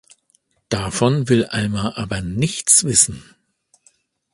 Davon will Alma aber nichts wissen.